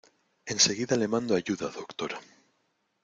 enseguida le mando ayuda, doctora.